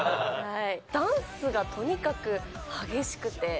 ダンスがとにかく激しくて。